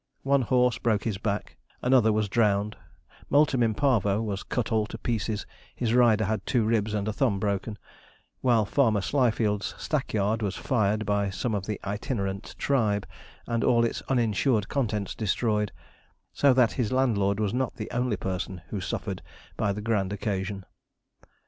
One horse broke his back, another was drowned, Multum in Parvo was cut all to pieces, his rider had two ribs and a thumb broken, while Farmer Slyfield's stackyard was fired by some of the itinerant tribe, and all its uninsured contents destroyed so that his landlord was not the only person who suffered by the grand occasion.